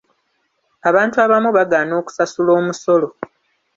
Abantu abamu bagaana okusasula omusolo.